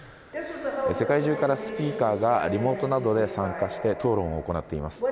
世界中からスピーカーがリモートなどで参加して、討論を行っています。